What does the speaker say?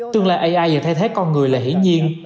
tương lai ai và thay thế con người là hỷ nhiên